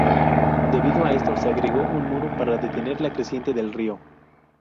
Debido a esto, se agregó un muro para detener la creciente del río.